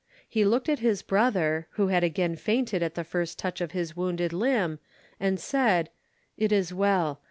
He looked at his brother, who had again fainted at the first touch of his wounded limb, and said, "It is well.